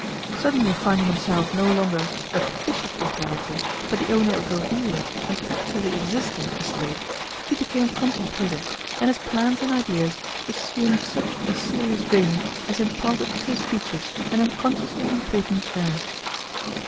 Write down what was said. Suddenly finding himself no longer a fictitious proprietor, but the owner of a real, an actually existing, estate, he became contemplative, and his plans and ideas assumed such a serious vein as imparted to his features an unconsciously important air.